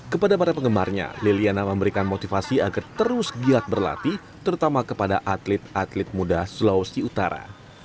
kepada para penggemarnya liliana memberikan motivasi agar terus giat berlatih terutama kepada atlet atlet muda sulawesi utara